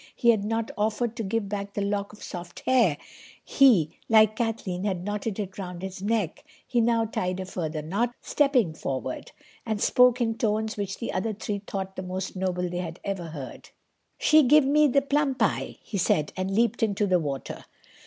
He had not offered to give back the lock of soft hair. He, like Kathleen, had knotted it round his neck; he now tied a further knot, stepped forward, and spoke in tones which the other three thought the most noble they had ever heard. "She give me the plum pie," he said, and leaped into the water.